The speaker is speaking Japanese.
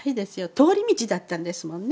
通り道だったんですもんね